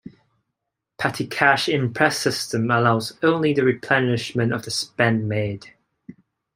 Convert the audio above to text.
Petty cash imprest system allows only the replenishment of the spend made.